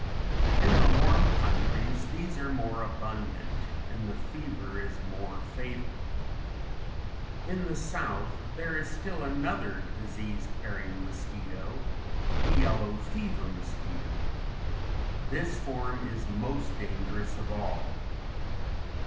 In the warm countries these are more abundant and the fever is more fatal. In the south there is still another disease carrying mosquito, the yellow fever mosquito. This form is most dangerous of all.